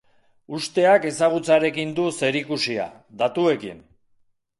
Usteak ezagutzarekin du zerikusia, datuekin.